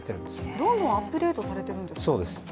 どんどんアップデートされているんですか？